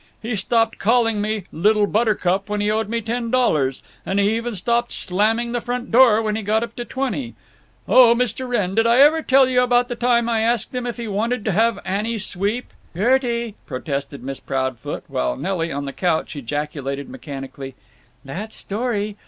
He stopped calling me, Little Buttercup, when he owed me ten dollars, and he even stopped slamming the front door when he got up to twenty. O Mr. Wrenn, did I ever tell you about the time I asked him if he wanted to have Annie sweep—" "Gerty!" protested Miss Proudfoot, while Nelly, on the couch, ejaculated mechanically, "That story!"